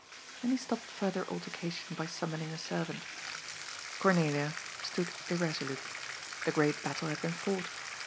And he stopped further altercation by summoning a servant. Cornelia stood irresolute. The great battle had been fought.